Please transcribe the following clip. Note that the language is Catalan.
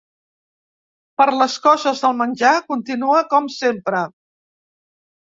Per les coses del menjar continua com sempre.